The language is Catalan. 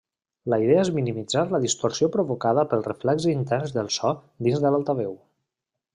La idea és minimitzar la distorsió provocada pel reflex intern de so dins de l'altaveu.